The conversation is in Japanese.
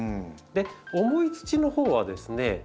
重い土のほうはですね